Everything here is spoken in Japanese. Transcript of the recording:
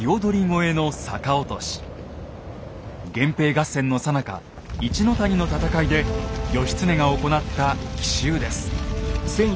源平合戦のさなか一の谷の戦いで義経が行った奇襲です。